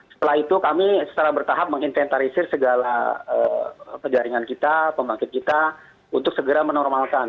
setelah itu kami secara bertahap mengintentarisir segala jaringan kita pembangkit kita untuk segera menormalkan